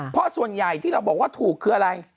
เพราะส่วนใหญ่ที่เราบอกว่าถูกคืออะไร